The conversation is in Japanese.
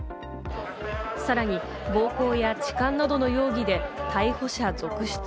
さらに暴行や痴漢などの容疑で逮捕者続出。